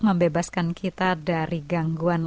membebaskan kita dari gangguan